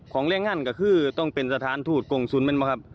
แรงงานก็คือต้องเป็นสถานทูตกงศูนย์มันบังคับ